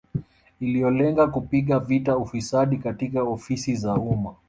Iliyolenga kupiga vita ufisadi katika ofisi za umma